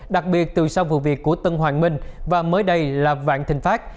đặc biệt từ sau vụ việc của tân hoàng minh và mới đây là vạn thịnh pháp